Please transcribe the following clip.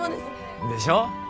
でしょ？